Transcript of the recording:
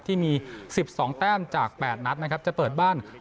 ที่มี๑๒แต้มจาก๘นัดนะครับจะเปิดบ้าน